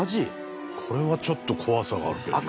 これはちょっと怖さがあるけどね。